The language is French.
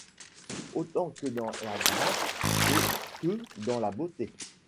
Autant que dans la grâce et que dans la beauté